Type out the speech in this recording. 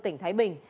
tỉnh thái bình